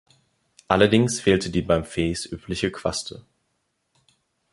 Allerdings fehlte die beim Fes übliche Quaste.